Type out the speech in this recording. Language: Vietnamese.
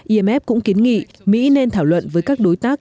imf cũng kiến nghị mỹ nên thảo luận với các đối tác